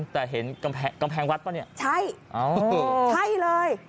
แต่เห็นกำแพงวัดเปล่าเนี่ยอเรนนี่ใช่ใช่เลย